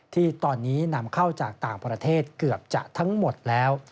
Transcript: ที่ตอนนี้นำเข้าจากต่างประเทศเกือบจะทั้งหมดแล้ว